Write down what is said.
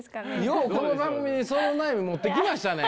ようこの番組にその悩み持ってきましたね！